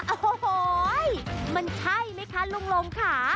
อ่ะมันใช่ไหมคะลุงค่ะ